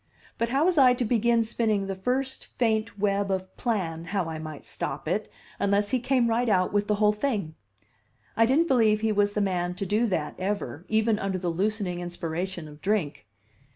But how was I to begin spinning the first faint web of plan how I might stop it, unless he came right out with the whole thing? I didn't believe he was the man to do that ever, even under the loosening inspiration of drink.